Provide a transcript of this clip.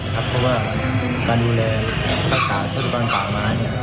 เพราะว่าการดูแลปรักษาสุทธิบาลฝ่าหมา